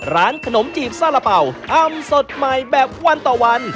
ร้านขนมจีบซาระเป่าอำสดใหม่แบบวันต่อวัน